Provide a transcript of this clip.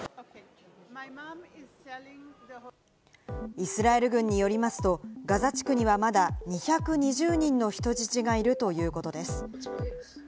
イスラエル軍によりますと、ガザ地区にはまだ２２０人の人質がいるということです。